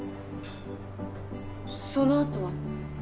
そのあとは？